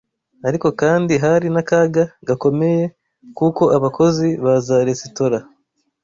Ariko kandi hari n’akaga gakomeye k’uko abakozi ba za resitora